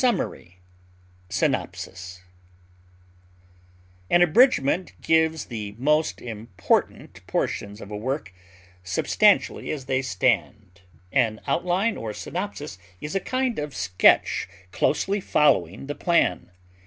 analysis, digest, An abridgment gives the most important portions of a work substantially as they stand. An outline or synopsis is a kind of sketch closely following the plan.